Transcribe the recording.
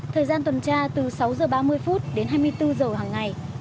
thời gian tuần tra từ sáu h ba mươi phút đến hai mươi bốn h hàng ngày